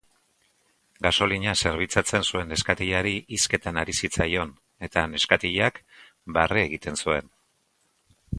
Gasolina zerbitzatzen zuen neskatilari hizketan ari zitzaion, eta neskatilak barre egiten zuen.